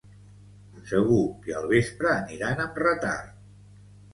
Segur que al vespre aniran amb retard